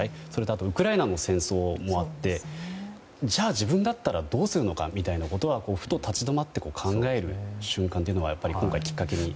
あと、ウクライナの戦争もあってじゃあ、自分だったらどうするのか、みたいなことはふと立ち止まって考える瞬間というのは今回、きっかけには。